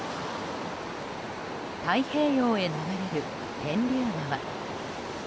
太平洋へ流れる天竜川。